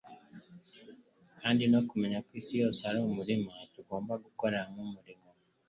kandi no kumenya ko isi yose ari umurima tugomba gukoreramo umurimo.